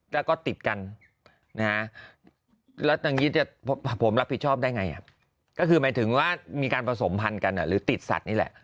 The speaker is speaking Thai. แล้วก็ติดกันนะฮะแล้วอย่างนี้ผมรับผิดชอบได้ไงก็คือหมายถึงว่ามีการผสมพันธุ์กันหรือติดสัตว์นี่แหละ